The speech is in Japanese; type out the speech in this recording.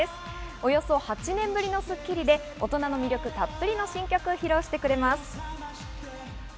およそ８年ぶりの『スッキリ』で大人の魅力たっぷりの新曲を披露してくれます。